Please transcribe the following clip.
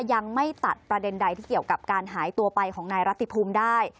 ยังไม่ตัดประเด็นใดที่เกี่ยวกับการหายตัวไปของนายรัติภูมิได้